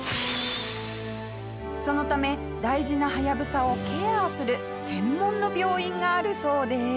そのため大事なハヤブサをケアする専門の病院があるそうです。